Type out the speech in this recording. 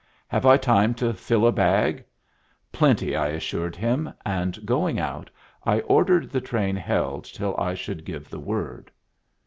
"Have I time to fill a bag?" "Plenty," I assured him, and, going out, I ordered the train held till I should give the word.